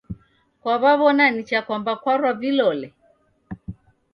Kwaw'aw'ona nicha kwamba kwarwa vilole?